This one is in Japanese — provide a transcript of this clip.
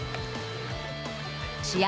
試合